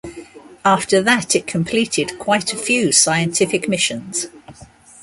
After that it completed quite a few scientific missions.